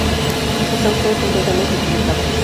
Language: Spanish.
Está usted completamente equivocado".